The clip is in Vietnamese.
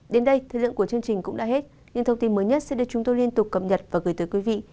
đến đây thời lượng của chương trình cũng đã hết những thông tin mới nhất sẽ được chúng tôi liên tục cập nhật và gửi tới quý vị